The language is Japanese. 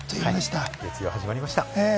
月曜始まりました。